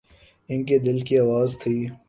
ان کے دل کی آواز تھی۔